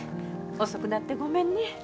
遅くなってごめんね。